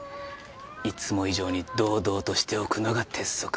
いつも以上に堂々としておくのが鉄則。